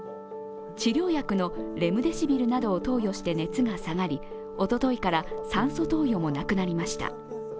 治療薬のレムデシビルなどを投与して熱が下がりおとといから酸素投与もなくなりました。